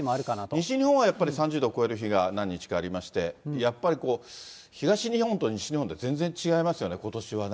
西日本はやっぱり３０度を超える日が何日かありまして、やっぱり東日本と西日本で全然違いますよね、ことしはね。